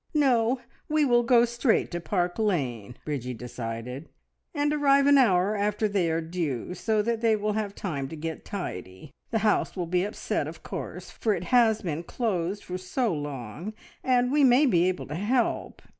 No! we will go straight to Park Lane," Bridgie decided, "and arrive an hour after they are due, so that they will have had time to get tidy. The house will be upset, of course, for it has been closed for so long, and we may be able to help.